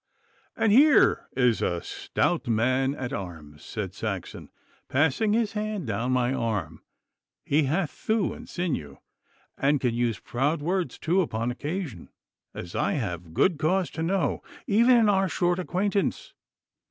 'And here is a stout man at arms,' said Saxon, passing his hand down my arm.' He hath thew and sinew, and can use proud words too upon occasion, as I have good cause to know, even in our short acquaintance.